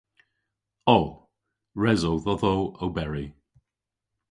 O. Res o dhodho oberi.